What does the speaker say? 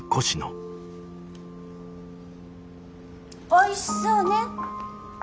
おいしそうね。